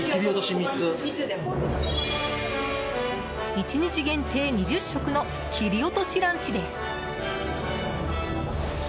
１日限定２０食の切り落としランチです。